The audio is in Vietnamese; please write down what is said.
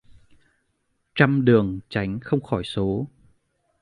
Trăm đường tránh không khỏi số.